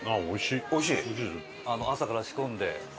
朝から仕込んで？